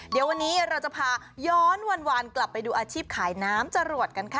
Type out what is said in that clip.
เดี๋ยววันนี้เราจะพาย้อนวันกลับไปดูอาชีพขายน้ำจรวดกันค่ะ